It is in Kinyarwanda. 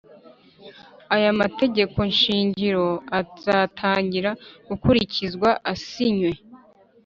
Aya mategeko shingiro azatangira gukurikizwa asinywe